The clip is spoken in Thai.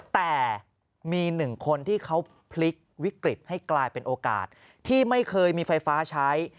แต่มีหนึ่งคนที่เขาพลิกวิกฤตให้กลายเป็นโอกาสที่ไม่เคยมีไฟฟ้าใช้